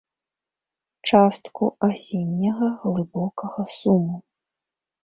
Частку асенняга глыбокага суму.